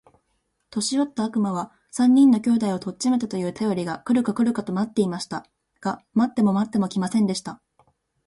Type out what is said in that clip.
年よった悪魔は、三人の兄弟を取っちめたと言うたよりが来るか来るかと待っていました。が待っても待っても来ませんでした。